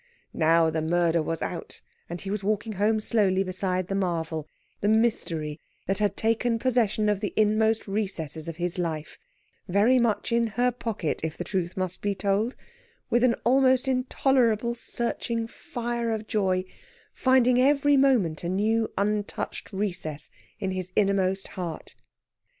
Now the murder was out, and he was walking home slowly beside the marvel, the mystery, that had taken possession of the inmost recesses of his life very much in her pocket, if the truth must be told with an almost intolerable searching fire of joy finding every moment a new untouched recess in his innermost heart.